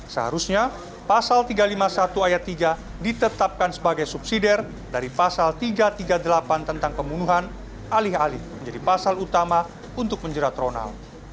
seharusnya pasal tiga ratus lima puluh satu ayat tiga ditetapkan sebagai subsidi dari pasal tiga ratus tiga puluh delapan tentang pembunuhan alih alih menjadi pasal utama untuk menjerat ronald